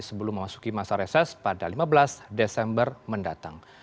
sebelum memasuki masa reses pada lima belas desember mendatang